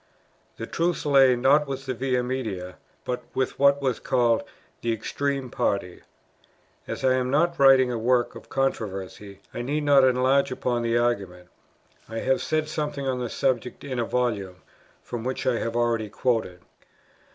The truth lay, not with the Via Media, but with what was called "the extreme party." As I am not writing a work of controversy, I need not enlarge upon the argument; I have said something on the subject in a Volume, from which I have already quoted.